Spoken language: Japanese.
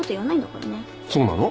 そうなの？